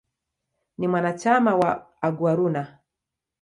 Ni mwanachama wa "Aguaruna".